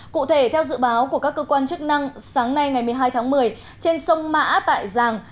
cụ thể theo dự báo của các cơ quan chức năng sáng nay ngày một mươi hai tháng một mươi trên sông mã tại giàng